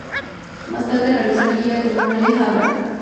Más tarde realizó una gira con Merle Haggard.